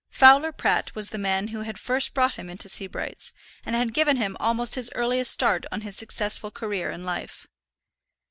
Fowler Pratt was the man who had first brought him into Sebright's, and had given him almost his earliest start on his successful career in life.